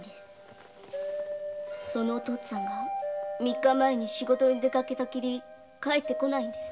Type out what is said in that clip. そのお父っつぁんが３日前仕事に出かけたきり帰らないんです。